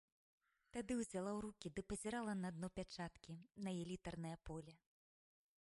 Тады ўзяла ў рукі ды пазірала на дно пячаткі, на яе літарнае поле.